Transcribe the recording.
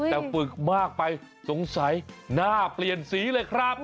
แต่ฝึกมากไปสงสัยหน้าเปลี่ยนสีเลยครับ